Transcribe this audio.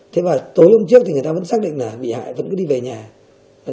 thế và tối hôm trước thì người ta vẫn xác định là bị hại vẫn cứ đi về nhà